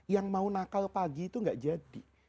yang mau nakal pagi itu gak jadi